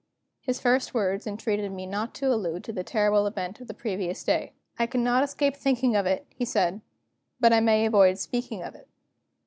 His first words entreated me not to allude to the terrible event of the previous day. "I cannot escape thinking of it," he said, "but I may avoid speaking of it."